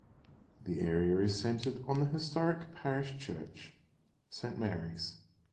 The area is centred on the historic parish church, Saint Mary's.